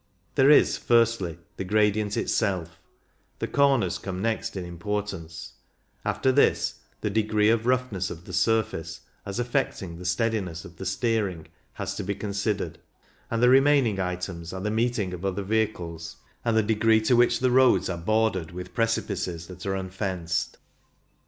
There is, firstly, the gradient itself; the corners come next in importance ; after this the degree of roughness of the surface, as affecting the steadiness of the steering, has to be con sidered ; and the remaining items are the meeting of other vehicles, and the degree to which the roads are bordered with precipices that are unfenced.